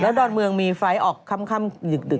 แล้วดอนเมืองมีไฟล์ออกค่ำดึกเลย